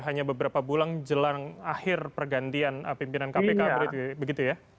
hanya beberapa bulan jelang akhir pergantian pimpinan kpk begitu ya